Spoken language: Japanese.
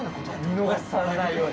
見逃しされないように。